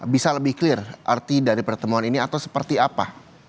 bisa lebih clear arti dari pertemuan ini atau seperti apa